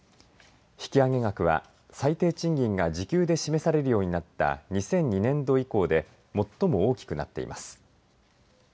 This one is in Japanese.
引き上げ額は、最低賃金が時給で示されるようになった２００２年度以降で最も大きくなっています。